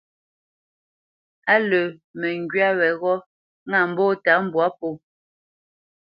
Á lə̄ məŋgywá weghó ŋâ mbɔ́ta mbwǎ pō.